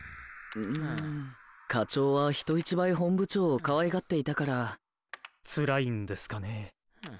うん課長は人一倍本部長をかわいがっていたから。つらいんですかね。